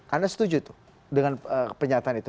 anda setuju tuh dengan pernyataan itu